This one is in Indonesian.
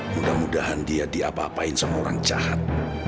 mudah mudahan dia diapa apain sama orang jahat